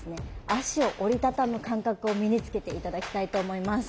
足を折り畳む感覚を身につけて頂きたいと思います。